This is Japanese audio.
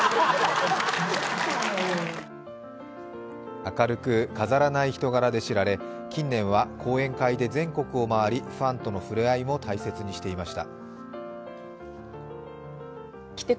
明るく飾らない人柄で知られ、近年は、講演会で全国を回りファンとの触れ合いも大切にしていました。